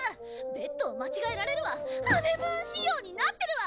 ベッドを間違えられるわハネムーン仕様になってるわ